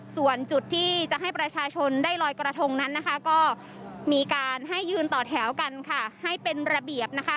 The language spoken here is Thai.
ส่วนจุดที่จะให้ประชาชนได้ลอยกระทงนั้นนะคะก็มีการให้ยืนต่อแถวกันค่ะให้เป็นระเบียบนะคะ